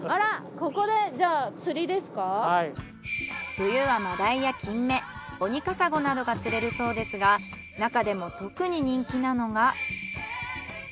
冬はマダイやキンメオニカサゴなどが釣れるそうですがなかでも特に人気なのが。